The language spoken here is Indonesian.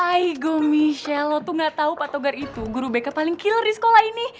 aigo michelle lo tuh gak tau patogar itu guru backup paling killer di sekolah ini